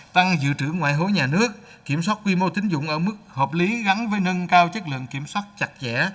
tăng dự trữ ngoại hối nhà nước kiểm soát quy mô tính dụng ở mức hợp lý gắn với nâng cao chất lượng kiểm soát chặt chẽ